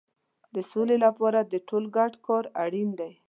د سولې لپاره د ټولو ګډ کار اړین دی.